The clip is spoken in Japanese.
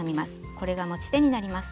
これが持ち手になります。